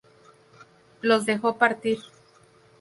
Y los dejó partir.